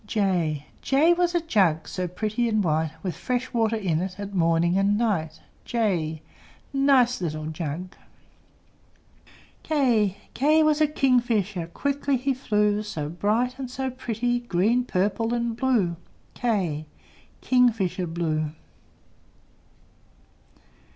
J J was a jug, So pretty and white, With fresh water in it At morning and night. j! Nice little jug! K K was a kingfisher: Quickly he flew, So bright and so pretty! Green, purple, and blue. k! Kingfisher blue!